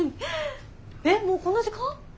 えっもうこんな時間？